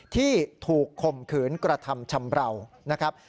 ที่ถูกข่มขืนกระทำชำราวนะครับ